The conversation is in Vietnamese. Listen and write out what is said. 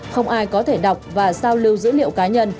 không ai có thể đọc và sao lưu dữ liệu cá nhân